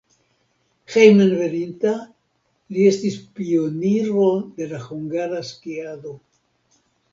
Hejmenveninta li estis pioniro de la hungara skiado.